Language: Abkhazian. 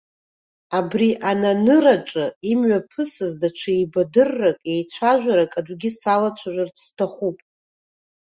Абри ананыраҿы имҩаԥысыз даҽа еибадыррак, еицәажәарак атәгьы салацәажәарц сҭахуп.